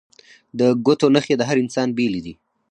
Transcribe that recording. د ګوتو نښې د هر انسان بیلې دي